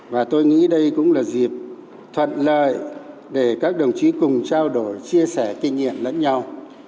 và tôi nghĩ đây cũng là dịp thuận lợi để các đồng chí cùng trao đổi chia sẻ kinh nghiệm lẫn nhau